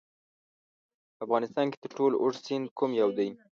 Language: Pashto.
په افغانستان کې تر ټولو اوږد سیند کوم یو دی؟